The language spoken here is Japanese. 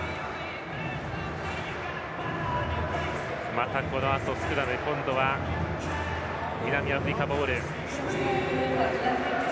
またこのあとスクラムで今度は南アフリカボール。